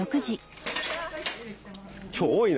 今日多いな。